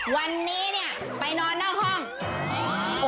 วันนี้เนี่ยไปนอนนอกห้อง